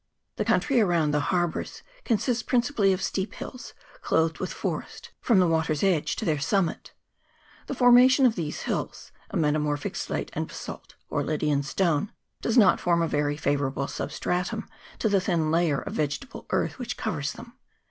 The country around the harbours consists principally of steep hills clothed with forest from the water's edge to their summit. The formation of these hills, a metamorphic slate and basalt, or Lydian stone, does not form a very favourable substratum to the thin layer of vegetable earth which covers them.